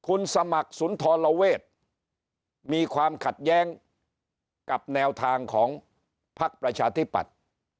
คุณสมัครสุนทรเวศมีความขัดแย้งกับแนวทางของพักประชาธิปัตย์